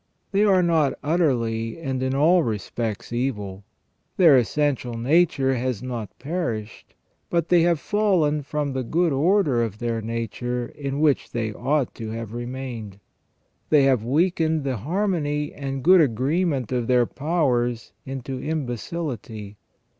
They are not utterly and in all respects evil. Their essential nature has not perished ; but they have fallen from the good order of their nature, in which they ought to have remained. They have weakened the harmony and good agreement of their powers into imbecility.